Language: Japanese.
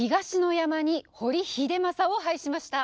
山に堀秀政を配しました。